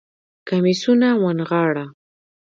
کميسونه ونغاړه